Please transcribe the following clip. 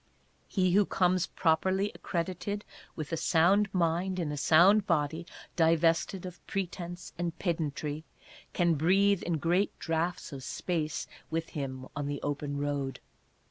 He who comes properly accredited with a sound mind in a sound body, divested of pretence and pedantry, can breathe in great draughts of space with him on the Open Road.